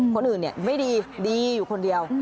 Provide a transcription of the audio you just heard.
คนอื่นไม่ดีดีอยู่คนเดียว